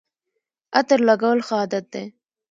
عطر لګول ښه عادت دی